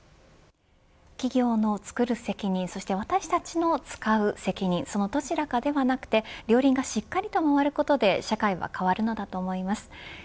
企業の作る責任そして私たちの使う責任そのどちらかではなく両輪がしっかり回ることで社会は変わるのだと思います。